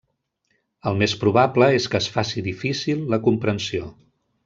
El més probable és que es faci difícil la comprensió.